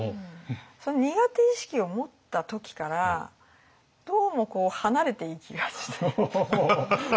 その苦手意識を持った時からどうもこう離れていきがちというか。